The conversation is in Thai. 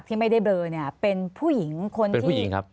ที่ไม่ได้เบลอเนี่ยเป็นผู้หญิงเป็นผู้หญิงครับ